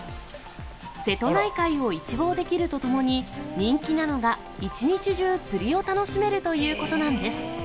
瀬戸内海を一望できるとともに、人気なのが、一日中、釣りを楽しめるということなんです。